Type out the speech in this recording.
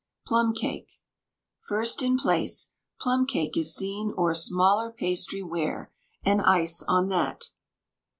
PLUM CAKE. First in place, Plum cake is seen o'er smaller pastry ware, And ice on that.